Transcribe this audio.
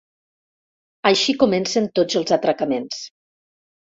Així comencen tots els atracaments.